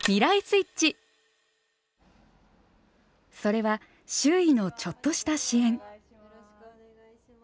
それは周囲のちょっとした支援。